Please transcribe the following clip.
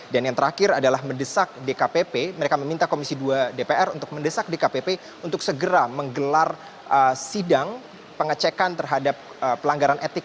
dan yang terakhir adalah mendesak dkpp mereka meminta komisi dua dpr untuk mendesak dkpp untuk segera menggelar sidang pengecekan terhadap pelanggaran etik